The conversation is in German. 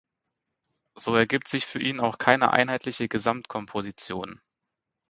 So ergibt sich für ihn auch keine einheitliche Gesamtkomposition.